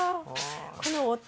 この音！